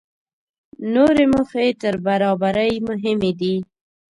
نورې موخې تر برابرۍ مهمې دي.